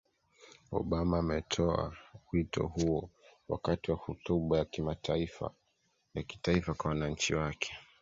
obama ametoa wito huo wakati wa hotuba ya kitaifa kwa wananchi wake